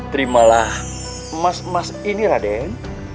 terimalah emas emas ini raden